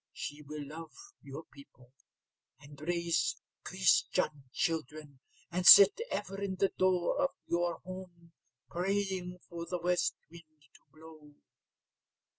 She will love your people, and raise Christian children, and sit ever in the door of your home praying for the west wind to blow.